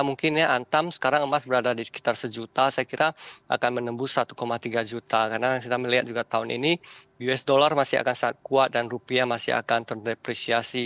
mungkin ya antam sekarang emas berada di sekitar sejuta saya kira akan menembus satu tiga juta karena kita melihat juga tahun ini us dollar masih akan kuat dan rupiah masih akan terdepresiasi